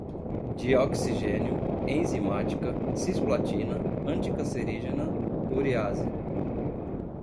dioxigênio, enzimática, cisplatina, anticancerígena, urease